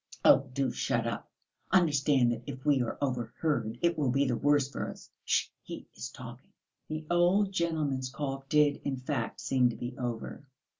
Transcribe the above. "Oh, do shut up! Understand that if we are overheard it will be the worse for us. Sh!... He is talking." The old gentleman's cough did, in fact, seem to be over.